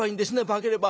化ければ。